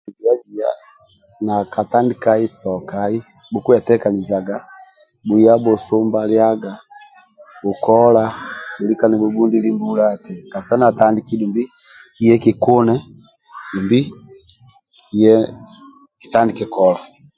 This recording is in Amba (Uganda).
Mbula katadika sokai bhukuetekanizaga bhuya bhusumba liaga bhukola bhulika nibhubhudhili mbula kasita natadiki dumbi kitadiki dumbi kiye kikune dumbi kitandike kola